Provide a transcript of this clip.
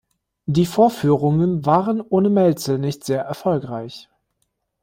Die Vorführungen waren ohne Mälzel nicht sehr erfolgreich.